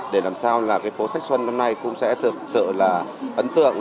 để làm sao là cái phố sách xuân năm nay cũng sẽ thực sự là ấn tượng